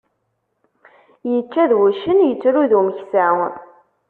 Yečča d wuccen, yettru d umeksa.